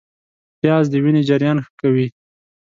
پیاز د وینې جریان ښه کوي